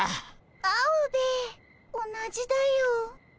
アオベエ同じだよ。